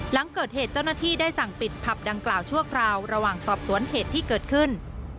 หลังเกิดเหตุเจ้าหน้าที่ได้สั่งปิดผับดังกล่าวชั่วคราวระหว่างสอบสวนเหตุที่เกิดขึ้น